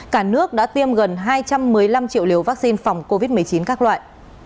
cả nước đã tiêm gần hai trăm một mươi năm triệu liều vaccine phòng covid một mươi chín các loại